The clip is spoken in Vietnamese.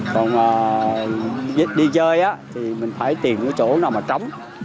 còn đi chơi thì mình phải tiền ở chỗ nào mà trống